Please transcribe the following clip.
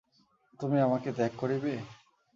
তুমি আমাকে ত্যাগ করিবে?